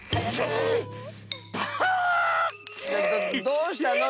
どうしたの？